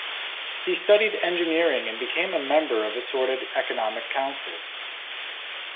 He studied engineering and became a member of assorted economic councils.